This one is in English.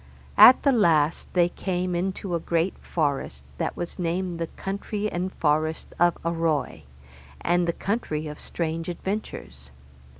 At the last they came into a great forest, that was named the country and forest of Arroy, and the country of strange adventures.